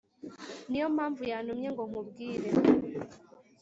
niyo mpamvu yantumye ngo nkubwire